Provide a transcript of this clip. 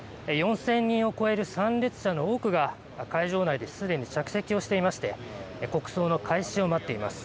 ４０００人を超える参列者の多くが、会場内ですでに着席をしていまして、国葬の開始を待っています。